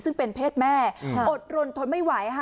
ซึ่งเป็นเพศแม่อดรนทนไม่ไหวค่ะ